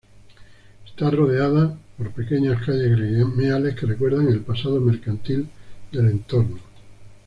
Está rodeada por pequeñas calles gremiales que recuerdan el pasado mercantil del entorno.